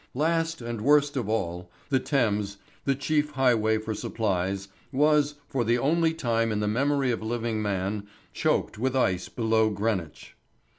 Last and worst of all, the Thames the chief highway for supplies was, for the only time in the memory of living man, choked with ice below Greenwich.